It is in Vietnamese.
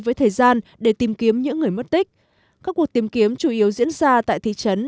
với thời gian để tìm kiếm những người mất tích các cuộc tìm kiếm chủ yếu diễn ra tại thị trấn